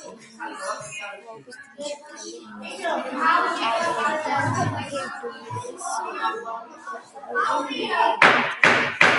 შუა ზაფხულში დუმუზის სახელობის თვეში მთელი მესოპოტამიიდან ხალხი დუმუზის რიტუალური დატირების ცერემონიაში იყო ჩართული.